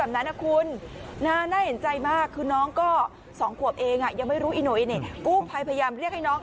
เนี่ยกู้พายพยายามเรียกให้น้อง